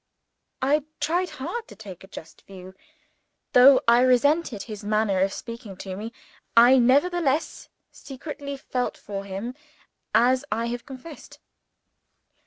I tried hard to take a just view. Though I resented his manner of speaking to me, I nevertheless secretly felt for him, as I have confessed.